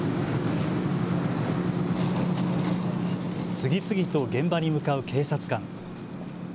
次々と現場に向かう警察官。